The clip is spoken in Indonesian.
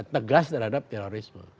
tegas terhadap terorisme